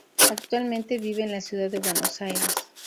Actualmente vive en la ciudad de Buenos Aires.